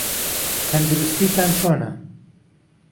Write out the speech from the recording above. تەندروستیتان چۆنە؟